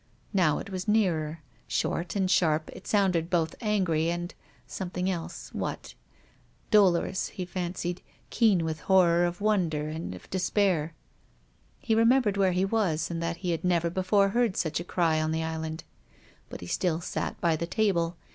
Now it was nearer. Short and sharp, it sounded both angry and — something else — what ? Dolo rous, he fancied, keen with a horror of wonder and of despair. He remembered where he was, and that he had never before heard such a cry on the Island. But he still sat by the table.